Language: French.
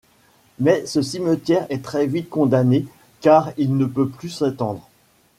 Mais ce cimetière est très vite condamné car il ne peut plus s’étendre.